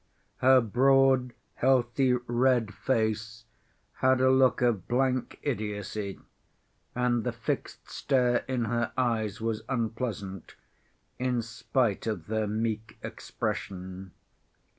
Her broad, healthy, red face had a look of blank idiocy and the fixed stare in her eyes was unpleasant, in spite of their meek expression.